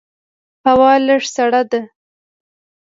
هوا لږه سړه ده.